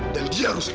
dan dia rusli